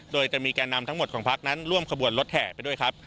โดยจะมีแก่นำทั้งหมดของพักนั้นร่วมขบวนรถแห่ไปด้วยครับ